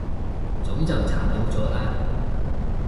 早就查到咗啦